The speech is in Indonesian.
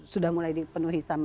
sudah mulai dipenuhi sama